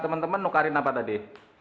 teman teman nukarin apa tadi